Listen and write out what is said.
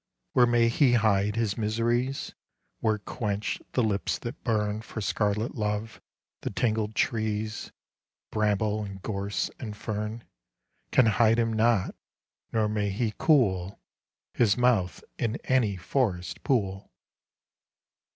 Where may he hide his miseries? Where quench the lips that burn For scarlet love ? the tangled trees, Bramble and gorse and fern Can hide him not, nor may he cool His mouth in any forest pool.